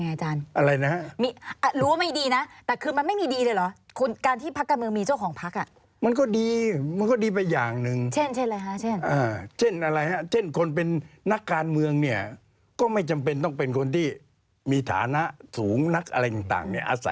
ยังไงเนี่ยให้เก่งยังไงเนี่ยโรงเรือแป๊ะต้องตามจ่อยแป๊ะนะ